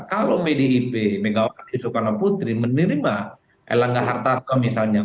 kalau pdip megawati soekarno putri menerima elangga hartarto misalnya